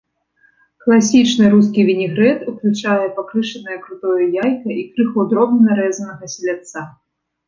Класічны рускі вінегрэт уключае пакрышанае крутое яйка і крыху дробна нарэзанага селядца.